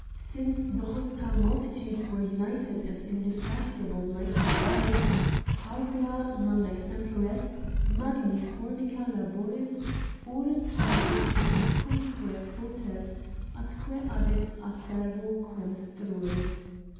Since the hostile multitudes were united and indefatigable night and day — Parvula, nam exemplo est, magni formica laboris Ore trahit quodcumque potest, atque addit acervo Quem struit